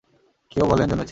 কেউ বলেন, জন্মেছে।